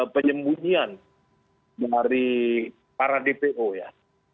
penyembunyian dari para dpo ya